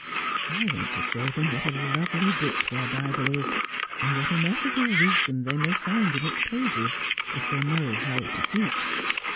I want to show them what a lovely book their Bible is, and what ineffable wisdom they may find in its pages if they know how to seek.